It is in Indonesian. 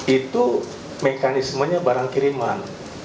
itu mekanismenya barang kiriman